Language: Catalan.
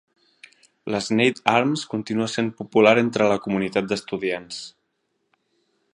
L'Sneyd Arms continua sent popular entre la comunitat d'estudiants.